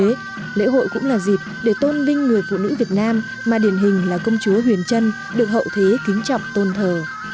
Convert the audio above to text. trong lễ hội cũng là dịp để tôn binh người phụ nữ việt nam mà điển hình là công chúa huyền trân được hậu thế kính trọng tôn thờ